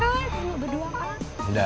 aku nggak berdua